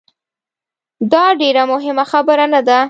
داډیره مهمه خبره نه ده